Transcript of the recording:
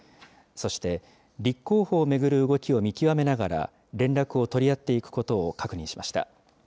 そして、立候補を巡る動きを見極めながら、連絡を取り合っていくことを確認しました。